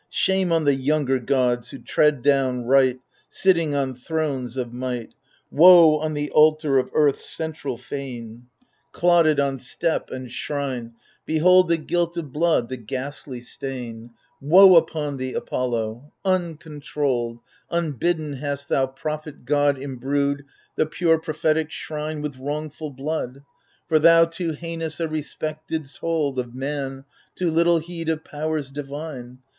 Shame on the younger gods who tread down right, Sitting on thrones of might I Woe on the altar of earth's central fane ! 144 THE FURIES Clotted on step and shrine, Behold, the guilt of blood, the ghastly stain ! Woe upon thee, Apollo 1 uncontrolled. Unbidden, hast thou, prophet god, imbrued The pure prophetic shrine with wrongful blood ! For thou too heinous a respect didst hold Of man, too little heed of powers divine